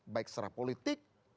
baik secara politik